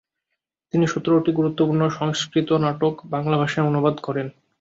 তিনি সতেরটি গুরুত্বপূর্ণ সংস্কৃত নাটক বাংলা ভাষায় অনুবাদ করেন।